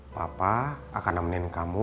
papa akan nemenin kamu